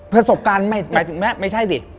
ประสบการณ์ไม่ใช่สิ